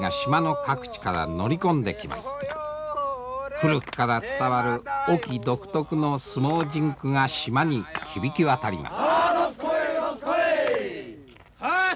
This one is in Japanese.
古くから伝わる隠岐独特の相撲甚句が島に響き渡ります。